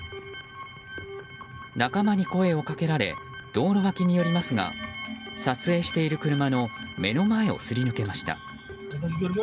仲間に声をかけられ道路脇によりますが撮影している車の目の前をすり抜けました。